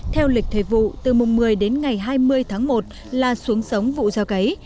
theo lịch thời vụ từ mùng một mươi đến ngày hai mươi tháng một là xuống sống vụ gieo cấy